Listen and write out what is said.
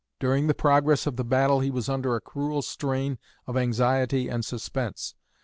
During the progress of the battle he was under a cruel strain of anxiety and suspense.